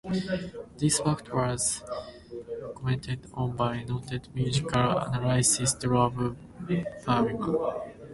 This fact was commented on by noted musical analyst Rob Parovian.